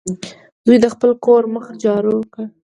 زوی د خپل کور مخه جارو کړه.